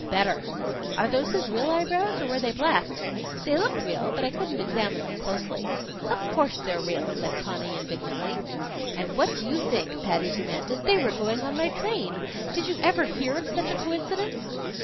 "Better." "Are those his real eyebrows or were they blacked?" "They looked real but I couldn't examine them closely." "Of course they're real!" said Conny indignantly. "And what do you think?" Patty demanded. "They were going on my train. Did you ever hear of such a coincidence?"